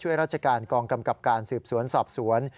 ราชการกองกำกับการสืบสวนสอบสวน